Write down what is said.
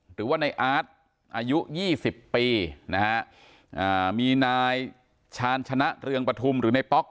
หรือว่าในอทอายุยี่สิบปีมีนายชาญชนะเรืองปทุมหรือนายป๊อก